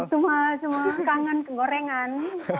cuma cuma kangen gorengan